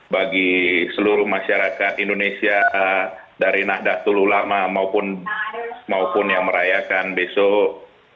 bagi seluruh masyarakat indonesia dari nahdlatul ulama maupun yang merayakan besok